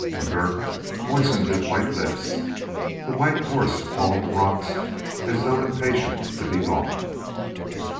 McGurk moistened his white lips. The white horse pawed the rocks as though impatient to be gone.